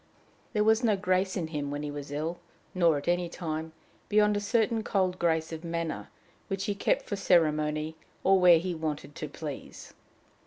There was no grace in him when he was ill, nor at any time, beyond a certain cold grace of manner, which he kept for ceremony, or where he wanted to please.